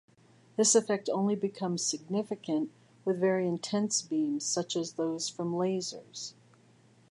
This effect only becomes significant with very intense beams such as those from lasers.